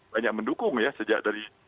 banyak mendukung ya sejak dari